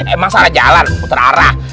emang salah jalan muter arah